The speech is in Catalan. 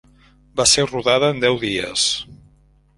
Va ser rodada en deu dies.